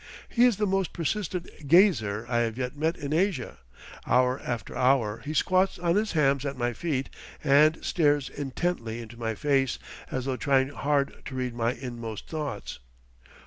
He is the most persistent "gazer" I have yet met in Asia; hour after hour he squats on his hams at my feet and stares intently into my face, as though trying hard to read my inmost thoughts.